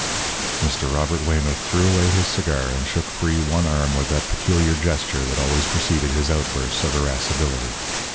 '" Mr. Robert Weymouth threw away his cigar and shook free one arm with that peculiar gesture that always preceded his outbursts of irascibility.